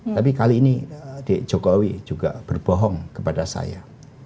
tapi kali ini adik jokowi juga berbohong kepada saya